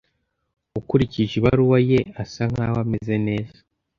Ukurikije ibaruwa ye, asa nkaho ameze neza.